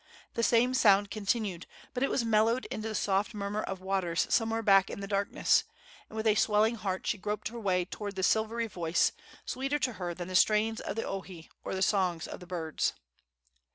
The same sound continued, but it was mellowed into the soft murmur of waters somewhere back in the darkness, and with a swelling heart she groped her way toward the silvery voice, sweeter to her than the strains of the ohe or the songs of birds.